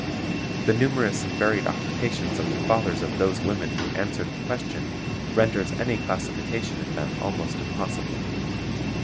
The numerous and varied occupations of the fathers of those women who answered the question renders any classification of them almost impossible.